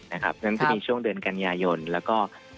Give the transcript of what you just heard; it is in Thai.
นั้นจะมีช่วงเดือนกันยายนแล้วก็